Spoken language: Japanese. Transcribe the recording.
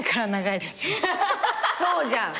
そうじゃん。